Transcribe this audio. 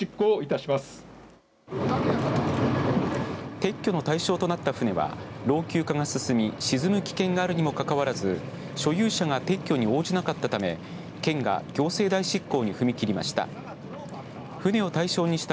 撤去の対象となった船は老朽化が進み、沈む危険があるにもかかわらず所有者が撤去に応じなかったため県が行政代執行に踏み切りました。